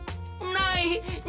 ない！